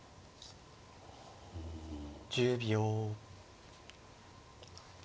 １０秒。